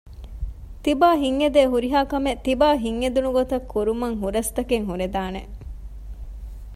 ތިބާ ހިތް އެދޭ ހުރިހާ ކަމެއް ތިބާ ހިތް އެދުނުގޮތަށް ކުރުމަށް ހުރަސްތަކެއް ހުރެދާނެ